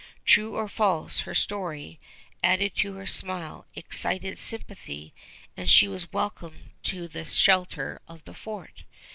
True or false, her story, added to her smile, excited sympathy, and she was welcomed to the shelter of the fort.